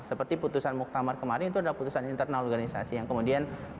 seperti putusan muktamar kemarin itu adalah putusan internal organisasi yang kemudian